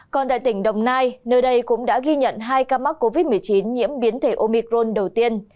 còn tại tỉnh đồng nai nơi đây cũng đã ghi nhận hai ca mắc covid một mươi chín nhiễm biến thể omicron đầu tiên